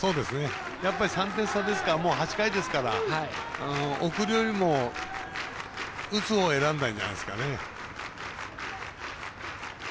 やっぱり３点差ですからもう８回ですから送るよりも打つほうを選んだんじゃないですかね。